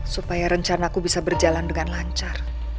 supaya rencanaku bisa berjalan dengan lancar